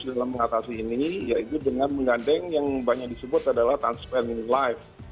dalam mengatasi ini yaitu dengan menggandeng yang banyak disebut adalah transference life